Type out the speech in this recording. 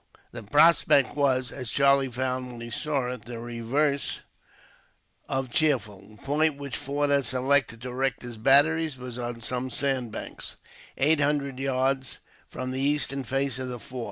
The prospect was, as Charlie found when he saw it, the reverse of cheerful. The point which Forde had selected to erect his batteries was on some sandbanks, eight hundred yards from the eastern face of the fort.